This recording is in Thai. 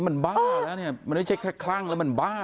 มันบ้าแล้วเนี่ยมันไม่ใช่แค่คลั่งแล้วมันบ้า